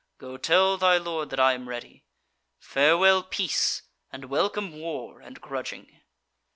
Go tell thy lord that I am ready. Farewell peace, and welcome war and grudging!"